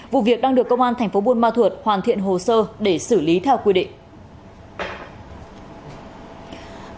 vụ việc đang được công an thành phố buôn ma thuật hoàn thiện hồ sơ để xử lý theo quy định